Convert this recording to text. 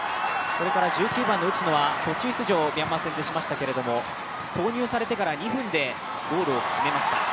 それから１９番の内野は途中出場をミャンマー戦でしましたけど投入されてから２分でゴールを決めました。